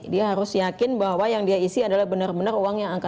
dia harus yakin bahwa yang dia isi adalah benar benar uang yang angkat